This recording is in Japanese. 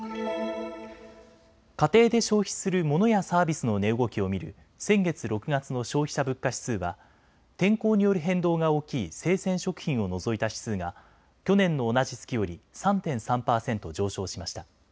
家庭で消費するモノやサービスの値動きを見る先月６月の消費者物価指数は天候による変動が大きい生鮮食品を除いた指数が去年の同じ月より３．３％上昇しました。